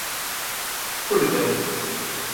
کوردم.